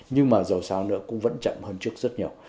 nhưng mà dầu sao nữa cũng vẫn chậm hơn trước rất nhiều